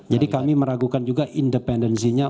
jadi kami meragukan juga independensinya